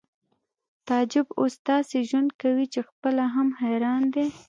تعجب اوس داسې ژوند کوي چې خپله هم حیران دی